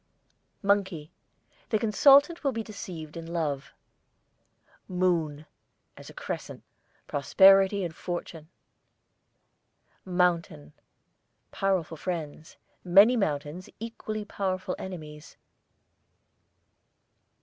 MONKEY, the consultant will be deceived in love. MOON (as a crescent), prosperity and fortune. MOUNTAIN, powerful friends; many mountains, equally powerful enemies.